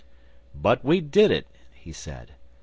'But we did it!' he said.